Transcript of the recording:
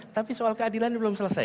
tapi soal keadilan belum selesai